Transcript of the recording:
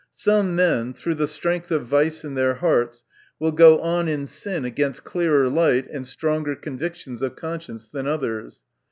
Some men, through the strength of vice in their hearts, will go on in sin against clearer light and stronger convictions of conscience, than others.